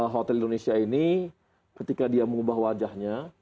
hotel indonesia ini ketika dia mengubah wajahnya